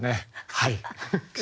はい。